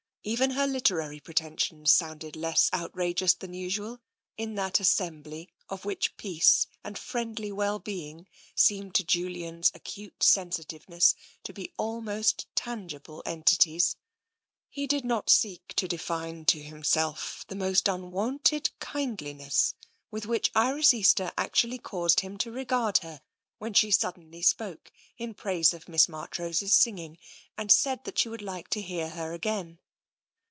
Even her literary pretensions sounded less outrageous than usual in that assembly of which the peace and friendly well being seemed to Julian's acute sensitiveness to be almost tangible en tities. He did not seek to define to himself the most unwonted kindliness with which Iris Easter actually caused him to regard her when she suddenly spoke in praise of Miss Marchrose's singing, and said that she would like to hear her again.